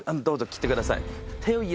どうぞ来てください。